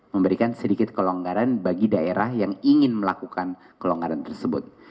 memberikan sedikit kelonggaran bagi daerah yang ingin melakukan kelonggaran tersebut